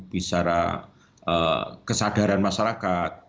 bicara kesadaran masyarakat